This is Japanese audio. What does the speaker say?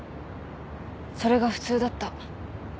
それが普通だった。